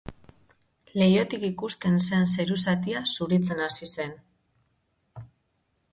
Leihotik ikusten zen zeru zatia zuritzen ari zen.